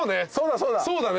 そうだね。